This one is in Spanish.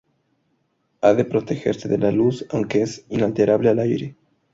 Ha de protegerse de la luz, aunque es inalterable al aire.